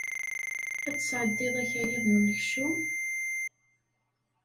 Ad tesɛeddiḍ akayad n unekcum?